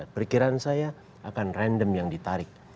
perkiraan saya akan random yang ditarik